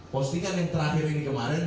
postingan yang terakhir ini kemarin